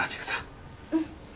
うん。